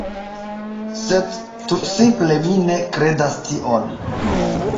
Sed, tutsimple, mi ne kredas tion.